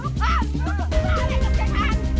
คุณพูดว่าอะไรของเจมส์